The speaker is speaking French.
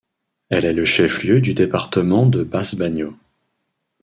Elle est le chef-lieu du département de Basse-Banio.